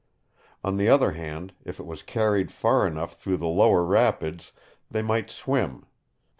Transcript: On the other hand, if it was carried far enough through the lower rapids, they might swim.